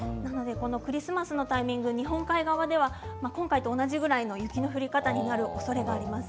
クリスマスのタイミングに日本海側では今回と同じような雪の降り方になるおそれがあります。